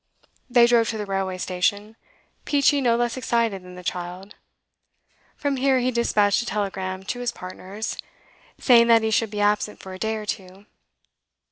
They drove to the railway station, Peachey no less excited than the child. From here he despatched a telegram to his partners, saying that he should be absent for a day or two.